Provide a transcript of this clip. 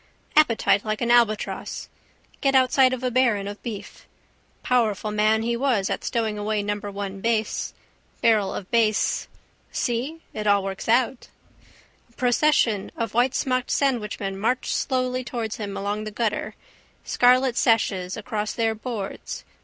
Appetite like an albatross. Get outside of a baron of beef. Powerful man he was at stowing away number one Bass. Barrel of Bass. See? It all works out. A procession of whitesmocked sandwichmen marched slowly towards him along the gutter, scarlet sashes across their boards.